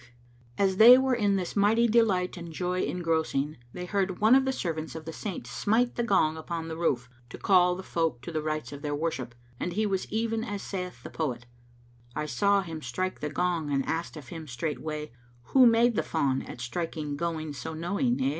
"[FN#525] As they were in this mighty delight and joy engrossing they heard one of the servants of the Saint[FN#526] smite the gong[FN#527] upon the roof, to call the folk to the rites of their worship, and he was even as saith the poet, "I saw him strike the gong and asked of him straightway, * Who made the Fawn[FN#528] at striking going so knowing, eh?'